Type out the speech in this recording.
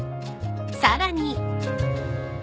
［さらに］